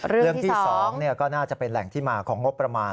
เรื่องที่๒ก็น่าจะเป็นแหล่งที่มาของงบประมาณ